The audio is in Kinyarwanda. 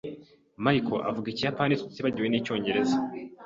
Michael avuga Ikiyapani, tutibagiwe n'Icyongereza.